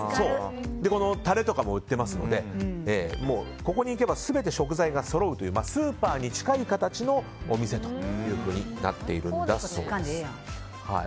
タレとかも売っていますのでここに行けば全て食材がそろうというスーパーに近い形のお店となっているそうです。